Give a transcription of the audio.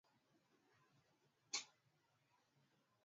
Safari yetu ilikuwa ndefu